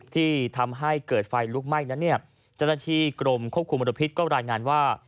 ที่ทำให้เกิดไฟลุกไหม้นั้นเจ้าหน้าที่กรมควบคุมมลพิษก็รายงานว่า